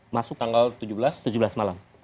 masuk tanggal tujuh belas malam